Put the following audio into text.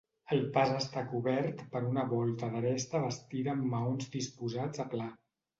El pas està cobert per una volta d'aresta bastida amb maons disposats a pla.